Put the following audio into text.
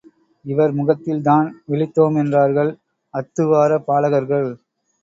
இவர் முகத்தில்தான் விழித்தோம் என்றார்கள் அத்துவாரபாலகர்கள்.